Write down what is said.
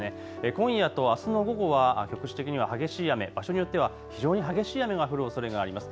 今夜とあすの午後は局地的には激しい雨、場所によっては非常に激しい雨が降るおそれがあります。